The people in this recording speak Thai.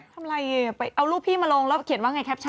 ทำไมไปเอารูปพี่มาลงแล้วเขียนว่าไงแคปแ